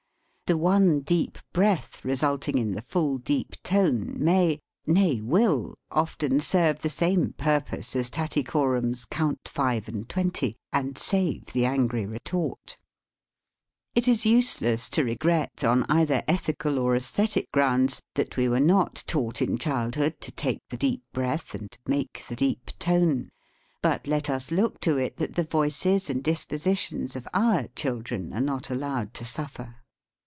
The one deep breath resulting in the full, deep tone may nay, will often serve the same purpose as Tattycoram's " Count five and twenty," and save the angry retort. It is useless to regret, on either ethical or aesthetic grounds, that we were not taught in childhood to take the deep breath and make the deep tone. But let us look to it that the voices and dispositions of our chil dren are not allowed to suffer.